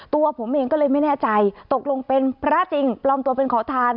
ตัวผมเองก็เลยไม่แน่ใจตกลงเป็นพระจริงปลอมตัวเป็นขอทาน